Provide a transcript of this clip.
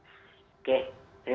oke terima kasih mbak mepri ya